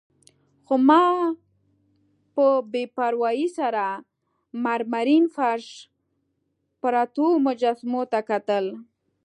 خو ما په بې پروايي سره مرمرین فرش، پرتو مجسمو ته کتل.